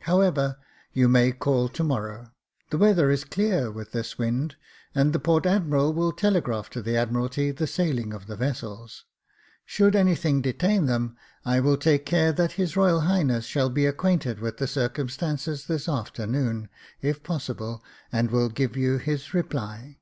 However, you may call to morrow. The weather is clear with this wind, and the port admiral will telegraph to the Admiralty the sailing of the vessels. Should anything detain them, I will take care that His Royal Highness Jacob Faithful 405 shall be acquainted with the circumstances this afternoon, if possible, and will give you his reply."